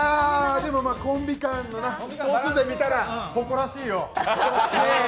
でも、コンビ間の総数で見たら誇らしいよ。